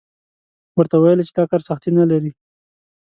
ورته ویل یې چې دا کار سختي نه لري.